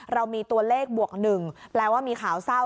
เรามีตัวเลขบวก๑แปลว่ามีข่าวเศร้า